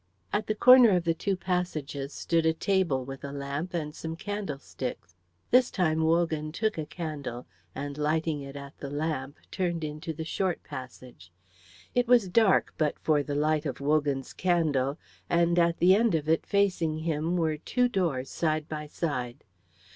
At the corner of the two passages stood a table with a lamp and some candlesticks. This time Wogan took a candle, and lighting it at the lamp turned into the short passage. It was dark but for the light of Wogan's candle, and at the end of it facing him were two doors side by side.